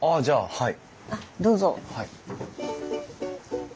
はい。